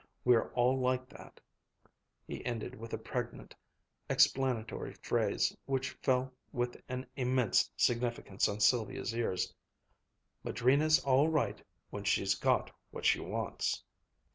We're all like that," he ended with a pregnant, explanatory phrase which fell with an immense significance on Sylvia's ear. "Madrina's all right when she's got what she wants."